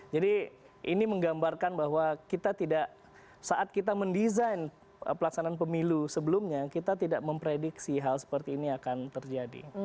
jadi ini menggambarkan bahwa kita tidak saat kita mendesain pelaksanaan pemilu sebelumnya kita tidak memprediksi hal seperti ini akan terjadi